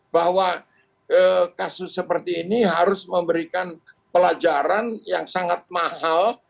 bahwa kasus seperti ini harus memberikan pelajaran yang sangat mahal